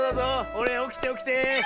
ほれおきておきて。